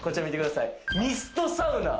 ミストサウナ。